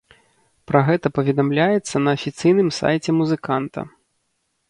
Пра гэта паведамляецца на афіцыйным сайце музыканта.